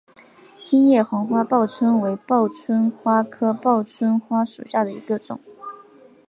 心叶黄花报春为报春花科报春花属下的一个种。